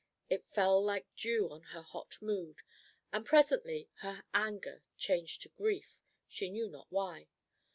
It fell like dew on her hot mood, and presently her anger changed to grief, she knew not why.